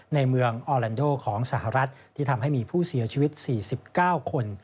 ในเมืองออแลนโดของสหรัฐที่ทำให้มีผู้เสียชีวิต๔๙คน